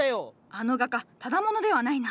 あの画家ただ者ではないな。